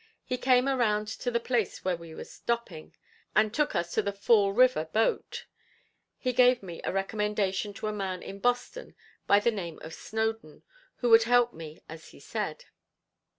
He came around to the place where we were stopping, and took us to the Fall River boat. He gave me a recommendation to a man in Boston by the name of Snowdon who would help me as he said.